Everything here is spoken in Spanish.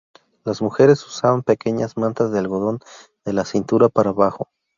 Las mujeres usaban pequeñas mantas de algodón de la cintura para abajo.